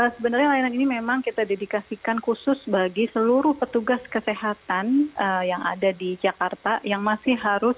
sebenarnya layanan ini memang kita dedikasikan khusus bagi seluruh petugas kesehatan yang ada di jakarta yang masih harus